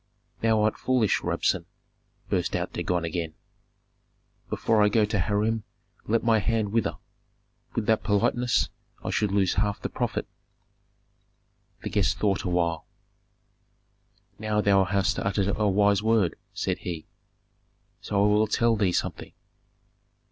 "Thou art foolish, Rabsun!" burst out Dagon again. "Before I go to Hiram let my hand wither; with that politeness I should lose half the profit." The guest thought awhile. "Now thou hast uttered a wise word," said he; "so I will tell thee something.